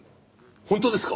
本当ですか？